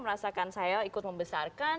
merasakan saya ikut membesarkan